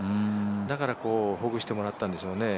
だからほぐしてもらったんでしょうね。